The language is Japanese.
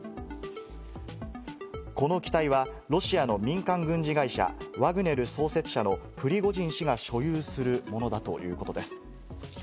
この機体はロシアの民間軍事会社・ワグネル創設者のプリゴジン氏が所有するものだということです。